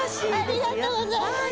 ありがとうございます。